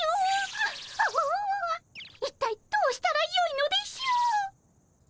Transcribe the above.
あわわわ一体どうしたらよいのでしょう。